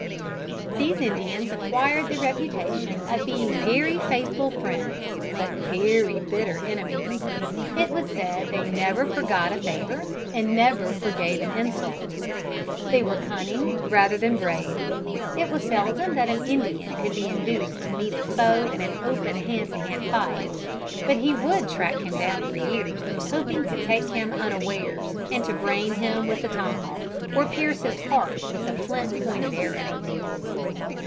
These Indians acquired the reputation of being very faithful friends, but very bitter enemies. It was said they never forgot a favor, and never forgave an insult. They were cunning rather than brave. It was seldom that an Indian could be induced to meet a foe in an open hand to hand fight. But he would track him for years, hoping to take him unawares and to brain him with the tomahawk, or pierce his heart with the flint pointed arrow.